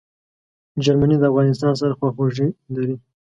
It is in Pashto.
جرمني د افغانستان سره خواخوږي لري.